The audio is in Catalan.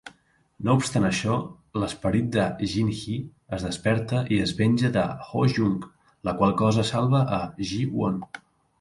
No obstant això, l'esperit de Jin-hee es desperta i es venja de Ho-jung, la qual cosa salva a Ji-won.